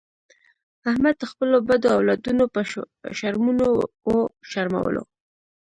احمد خپلو بدو اولادونو په شرمونو و شرمولو.